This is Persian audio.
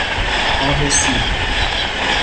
آب سیب